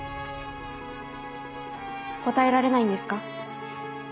答えられないんですか？